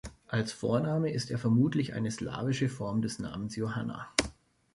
Als Vorname ist er vermutlich eine slawische Form des Namens Johanna.